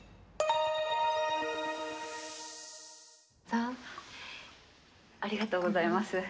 ありがとうございます。